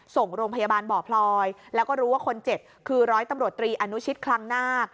ส่งโรงพยาบาลบ่อพลอยแล้วก็รู้ว่าคนเจ็บคือร้อยตำรวจตรีอนุชิตคลังนาค